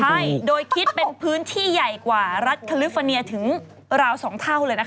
ใช่โดยคิดเป็นพื้นที่ใหญ่กว่ารัฐคาลิฟอร์เนียถึงราว๒เท่าเลยนะคะ